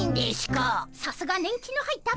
さすが年季の入ったペア。